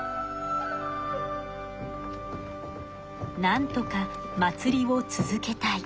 なんとか祭りを続けたい。